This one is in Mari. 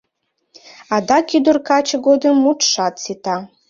Адак ӱдыр-каче годым мутшат сита.